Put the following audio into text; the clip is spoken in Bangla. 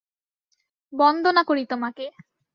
বন্দনা করি তোমাকে!